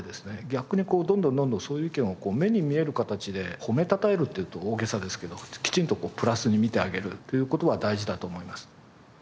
逆にこうどんどんどんどんそういう意見を目に見える形で褒めたたえるって言うと大げさですけどきちんとプラスに見てあげるっていう事は大事だと思います。